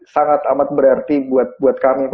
sangat amat berarti buat kami